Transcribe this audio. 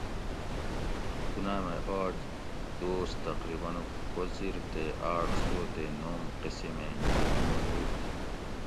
دُناۤئے مئی آج دوس تقریباً ڛو زِر تے آۤڄ سو تے نوم قسمیں جِب موجود تھی